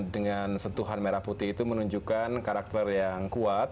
dengan sentuhan merah putih itu menunjukkan karakter yang kuat